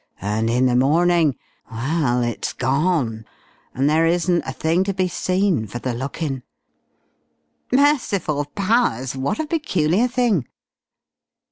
And in the morning well, it's gone, and there isn't a thing to be seen for the lookin'!" "Merciful powers! What a peculiar thing!"